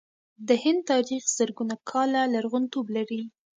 د هند تاریخ زرګونه کاله لرغونتوب لري.